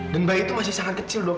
dan bayi itu masih sangat kecil dok